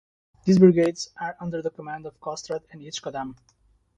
These brigades are under the command of Kostrad and each Kodam.